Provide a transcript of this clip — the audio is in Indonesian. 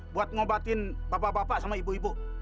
buat ngobatin bapak bapak sama ibu ibu